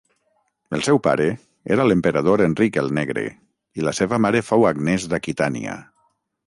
El seu pare era l'Emperador Enric el Negre i la seva mare fou Agnès d'Aquitània.